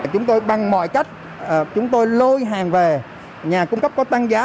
chúng tôi bằng mọi cách chúng tôi lôi hàng về nhà cung cấp có tăng giá